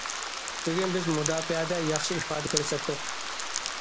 بۈگۈن بىز مۇداپىئەدە ياخشى ئىپادە كۆرسەتتۇق.